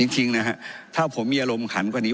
จริงนะฮะถ้าผมมีอารมณ์ขันกว่านี้